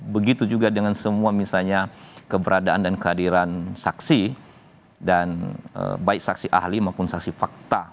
begitu juga dengan semua misalnya keberadaan dan kehadiran saksi dan baik saksi ahli maupun saksi fakta